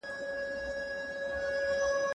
د خلګو قربانيو هېواد خوندي وساته.